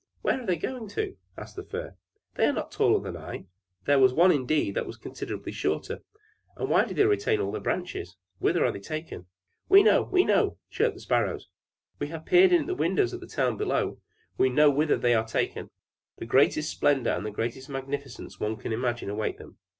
"Where are they going to?" asked the Fir. "They are not taller than I; there was one indeed that was considerably shorter; and why do they retain all their branches? Whither are they taken?" "We know! We know!" chirped the Sparrows. "We have peeped in at the windows in the town below! We know whither they are taken! The greatest splendor and the greatest magnificence one can imagine await them.